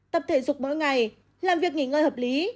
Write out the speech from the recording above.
tập thể dục mỗi ngày làm việc nghỉ ngơi hợp lý